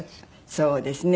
そうですね。